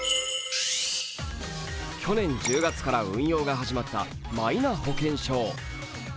去年１０月から運用が始まったマイナ保険証。